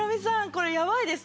これヤバいです。